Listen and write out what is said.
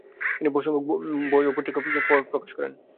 তিনি বহুসংখ্যক বই ও ক্ষুদ্র পুস্তিকা প্রকাশ করেন।